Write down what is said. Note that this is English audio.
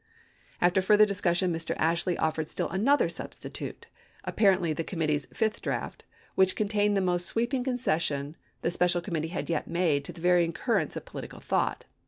After further discussion Mr. Ashley offered still another substitute, apparently the committee's " fifth draft," which contained the most sweeping Ibid., p. 937. RECONSTRUCTION 451 concession the special committee had yet made to chap. xix. the varying currents of political thought.